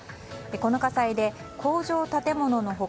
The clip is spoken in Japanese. この火災で工場建物の他